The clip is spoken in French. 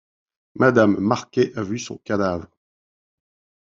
Madame Marquet a vu son cadavre.